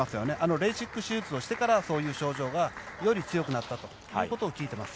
レーシック手術をしてからそういう症状がより強くなったということを聞いています。